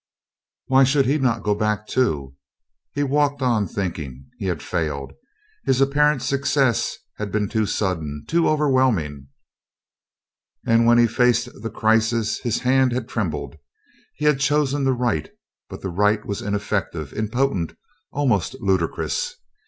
Why should not he go back, too? He walked on thinking. He had failed. His apparent success had been too sudden, too overwhelming, and when he had faced the crisis his hand had trembled. He had chosen the Right but the Right was ineffective, impotent, almost ludicrous.